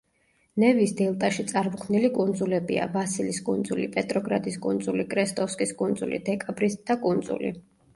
ნევის დელტაში წარმოქმნილი კუნძულებია: ვასილის კუნძული, პეტროგრადის კუნძული, კრესტოვსკის კუნძული, დეკაბრისტთა კუნძული.